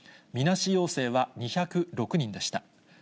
みなし陽性は２０６人でした。